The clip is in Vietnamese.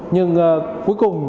nhưng cuối cùng